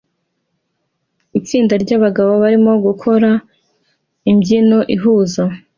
Itsinda ryabagabo barimo gukora imbyino ihuza